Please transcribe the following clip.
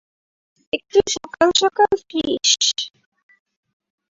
একটু সকাল-সকাল ফিরিস।